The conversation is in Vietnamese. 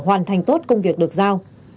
hoàn thành tốt công việc được giao